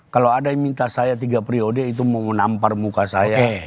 kalau ada yang minta saya tiga periode itu mau menampar muka saya